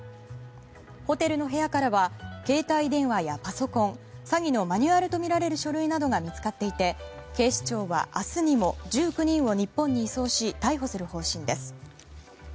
ホテルの部屋からは携帯電話やパソコン詐欺のマニュアルとみられる書類などが見つかっていて警視庁は明日にも１９人を日本に移送し逮捕する方針です。